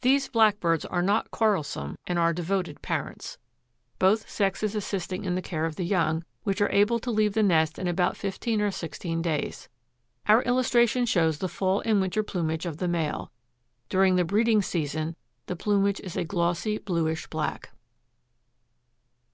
These blackbirds are not quarrelsome and are devoted parents, both sexes assisting in the care of the young, which are able to leave the nest in about fifteen or sixteen days. Our illustration shows the fall and winter plumage of the male. During the breeding season the plumage is a glossy bluish black.